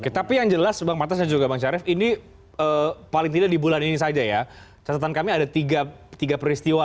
kita tapi yang jelas bang cerew ini paling tidak di bulan ini saja ya catatan kami ada tiga peristiwa